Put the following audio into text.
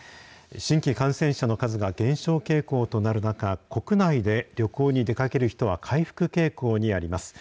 新規感染者の数が減少傾向となる中、国内で旅行に出かける人は回復傾向にあります。